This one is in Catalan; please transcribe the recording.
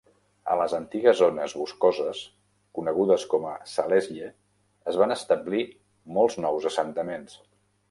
A les antigues zones boscoses, conegudes com Zalesye, es van establir molts nous assentaments.